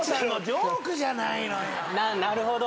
なるほど。